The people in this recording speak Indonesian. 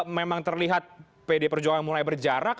kalau ini memang terlihat pdi perjuangan mulai berjarak